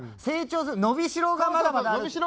成長する伸びしろがまだまだある。